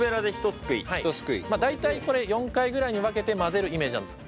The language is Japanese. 大体これ４回ぐらいに分けて混ぜるイメージなんです。